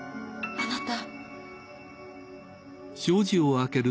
あなた！